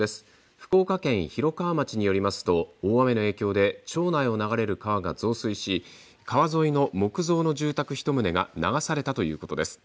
福岡県広川町によりますと大雨の影響で町内を流れる川が増水し川沿いの木造の住宅１棟が流されたということです。